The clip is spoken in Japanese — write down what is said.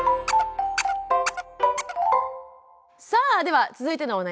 さあでは続いてのお悩み。